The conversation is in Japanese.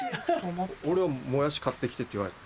俺はもやし買って来てって言われた。